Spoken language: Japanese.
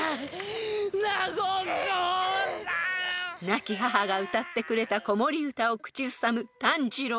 ［亡き母が歌ってくれた子守歌を口ずさむ炭治郎］